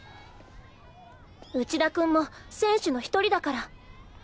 内田君も選手の一人だから。